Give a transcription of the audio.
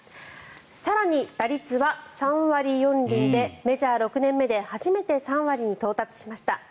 更に、打率は３割４厘でメジャー６年目で初めて３割に到達しました。